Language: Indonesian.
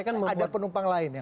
ada penumpang lain yang masuk